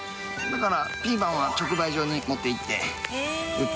だからピーマンは直売所に持っていって売ってます。